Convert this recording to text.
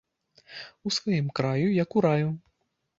У сваім краю, як у раю